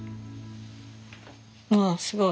ああすごい！